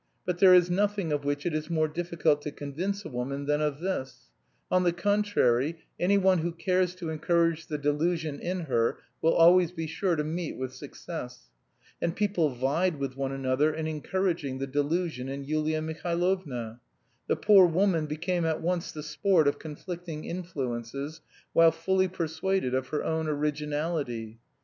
But there is nothing of which it is more difficult to convince a woman than of this; on the contrary, anyone who cares to encourage the delusion in her will always be sure to meet with success. And people vied with one another in encouraging the delusion in Yulia Mihailovna. The poor woman became at once the sport of conflicting influences, while fully persuaded of her own originality.